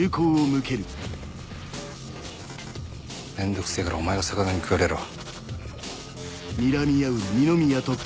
めんどくせぇからお前が魚に食われろ。